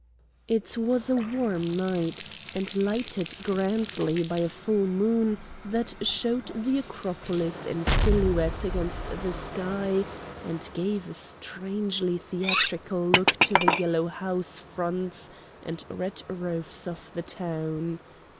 It was a warm night, and lighted grandly by a full moon that showed the Acropolis in silhouette against the sky, and gave a strangely theatrical look to the yellow house fronts and red roofs of the town.